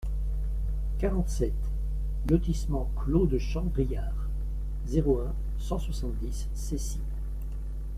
quarante-sept lotissement Clos de Champ-Vrillard, zéro un, cent soixante-dix Cessy